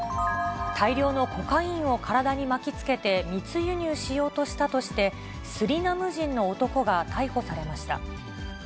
大量のコカインを体に巻きつけて密輸入しようとしたとして、スリナム人の男が逮捕されました。